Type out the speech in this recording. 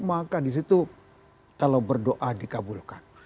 maka disitu kalau berdoa dikabulkan